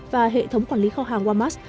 và hệ thống quản lý kho hàng wamas